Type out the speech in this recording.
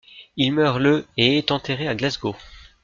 Il meurt le et est enterré à Glasgow.